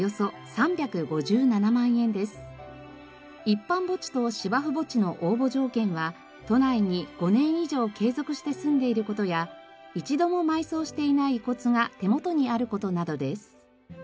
一般墓地と芝生墓地の応募条件は都内に５年以上継続して住んでいる事や一度も埋葬していない遺骨が手元にある事などです。